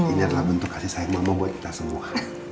ini adalah bentuk kasih sayang mama buat kita semua